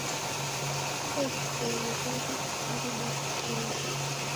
Kuw'e ghipoie eri kukuw'ide ghipoie.